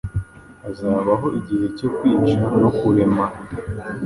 Hazabaho igihe cyo kwica no kurema